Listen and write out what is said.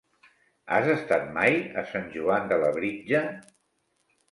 Has estat mai a Sant Joan de Labritja?